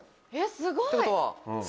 すごい！